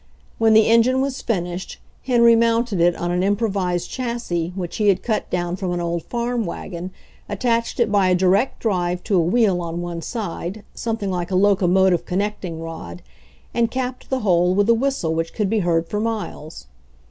When the engine was finished Henry mounted it on an improvised chassis which he had cut down from an old farm wagon, attached it by a direct drive to a wheel on one side, something like a locomotive connecting rod, and capped the whole with a whistle which could be heard for miles.